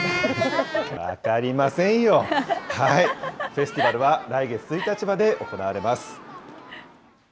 フェスティバルは来月１日まで行われます。